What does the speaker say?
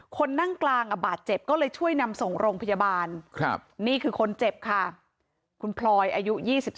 คนนั่งกลางบาดเจ็บก็เลยช่วยนำส่งโรงพยาบาลนี่คือคนเจ็บค่ะคุณพลอยอายุ๒๓